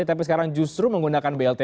tapi sekarang justru menggunakan blt